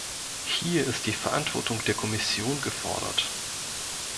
Hier ist die Verantwortung der Kommission gefordert.